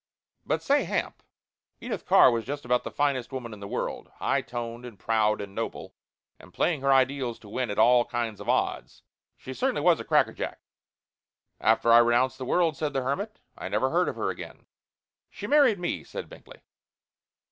But, say Hamp, Edith Carr was just about the finest woman in the world high toned and proud and noble, and playing her ideals to win at all kinds of odds. She certainly was a crackerjack." "After I renounced the world," said the hermit, "I never heard of her again." "She married me," said Binkley.